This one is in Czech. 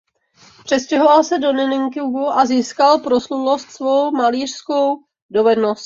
Přestěhoval se do Nankingu a získal proslulost svou malířskou dovedností.